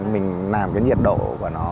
mình làm cái nhiệt độ của nó